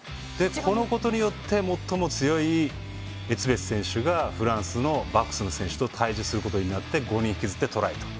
これによって最も強いエツベス選手がフランスのバックスの選手と対峙することになって５人を引きずってトライと。